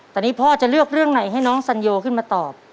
ตอนนี้พ่อจะเลือกเรื่องไหนให้น้องสัญโยขึ้นมาตอบ